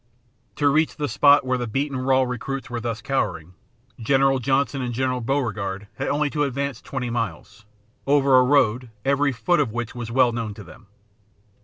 To reach the spot where the beaten raw recruits were thus cowering, General Johnston and General Beauregard had to advance only twenty miles, over a road every foot of which was well known to them.